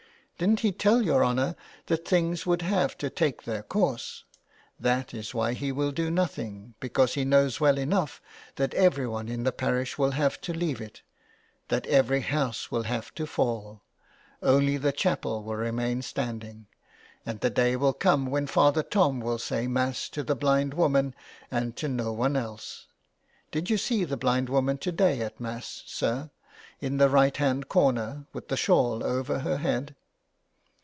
Didn't he tell your honour that things would have to take their course. That is why he will do nothing, because he knows well enough that everyone in the parish will have to leave it, that every house will have to fall. Only the chapel will remain standing, and the day will come when Father Tom will say Mass to the blind woman and to no one else. Did you see the blind woman to day at Mass, sir, in the right hand corner, with the shawl over her head